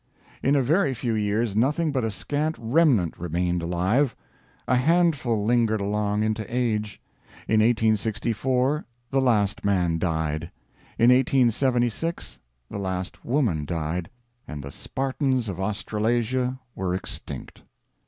In a very few years nothing but a scant remnant remained alive. A handful lingered along into age. In 1864 the last man died, in 1876 the last woman died, and the Spartans of Australasia were extinct.